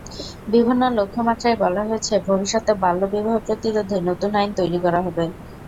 বিভিন্ন লক্ষ্যমাত্রায় বলা হয়েছে, ভবিষ্যতে বাল্যবিবাহ প্রতিরোধে নতুন আইন তৈরি করা হবে।